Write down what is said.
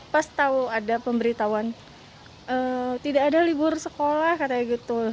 pas tahu ada pemberitahuan tidak ada libur sekolah katanya gitu